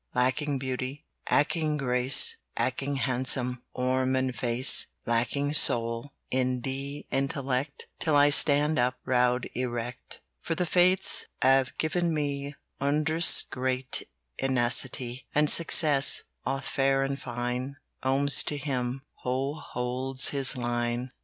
"Lacking beauty, Lacking grace, Lacking handsome Form and face; "Lacking soul And intellect, Still I stand up, Proud, erect. "For the Fates Have given me Wondrous great Tenacity. "And success, Both fair and fine, Comes to him Who holds his line.